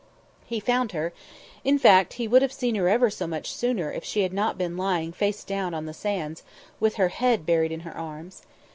He found her; in fact, he would have seen her ever so much sooner if she had not been lying face down on the sands, with her head buried in her arms.